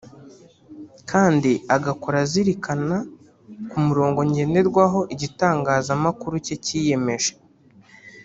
kandi agakora azirikana ku murongo ngenderwaho igitangazamakuru cye cyiyemeje